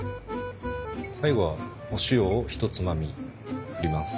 最後はお塩をひとつまみ振ります。